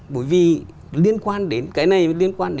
bởi vì liên quan đến